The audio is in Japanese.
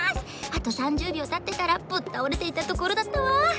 あと３０びょうたってたらぶったおれていたところだったわ。